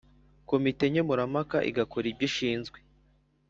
Komite Nkemurampaka igakora ibyishinzwe